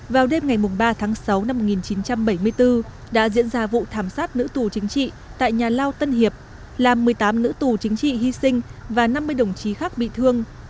vào đêm ngày ba tháng sáu năm một nghìn chín trăm bảy mươi bốn đã diễn ra vụ thảm sát nữ tù chính trị tại nhà lao tân hiệp làm một mươi tám nữ tù chính trị hy sinh và năm mươi đồng chí khác bị thương